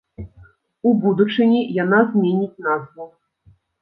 У будучыні яна зменіць назву.